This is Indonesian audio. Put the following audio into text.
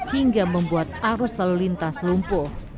hingga membuat arus lalu lintas lumpuh